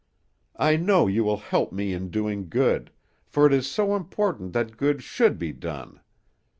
I know you will help me in doing good, for it is so important that good should be done.